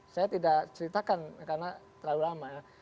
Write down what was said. saya tidak ceritakan karena terlalu lama ya